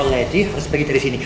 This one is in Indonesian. lady harus pergi dari sini